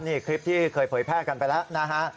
นี่คลิปที่เคยเผยแพร่กันไปแล้วนะฮะ